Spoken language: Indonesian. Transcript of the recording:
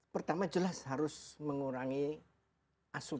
pertama jelas harus mengurangi asupan